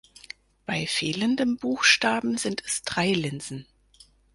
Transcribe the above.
Bei fehlendem Buchstaben sind es drei Linsen.